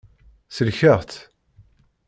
Sellkeɣ-tt.